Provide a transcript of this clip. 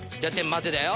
待てだよ。